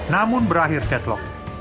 namun berakhir deadlock